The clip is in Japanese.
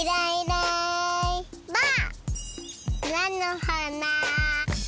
なのはな。